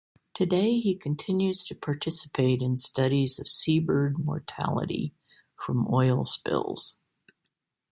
Today he continues to participate in studies of seabird mortality from oil spills.